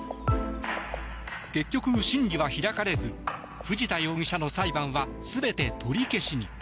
結局、審理は開かれず藤田容疑者の裁判は全て取り消しに。